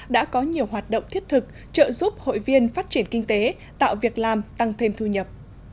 đã có nhiều hoạt động thiết thực trợ giúp hội viên phát triển kinh tế tạo việc làm tăng thêm thu nhập